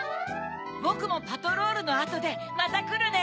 ぼくもパトロールのあとでまたくるね！